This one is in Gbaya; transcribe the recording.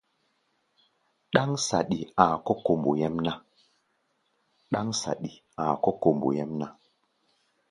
Ɗáŋ saɗi a̧a̧ kɔ̧́ kombo nyɛ́mná.